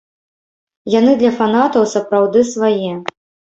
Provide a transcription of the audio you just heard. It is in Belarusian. Яны для фанатаў сапраўды свае.